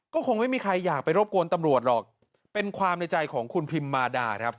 ก็คงไม่มีใครอยากไปรบกวนตำรวจหรอกเป็นความในใจของคุณพิมมาดาครับ